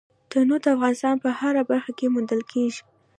تنوع د افغانستان په هره برخه کې موندل کېږي.